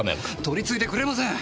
取り次いでくれません！